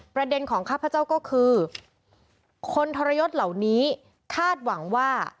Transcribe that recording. ประเด็นของข้าพเจ้าก็คือคนทรยศเหล่านี้คาดหวังว่า